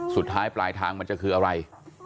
สุดท้ายปลายทางมันจะคืออะไร